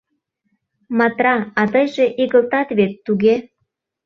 Матра, а тыйже игылтат вет, туге?